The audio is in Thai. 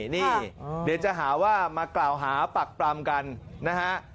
นี่เดี๋ยวจะหาว่ามากล่าวหาปักปรำกันนะฮะ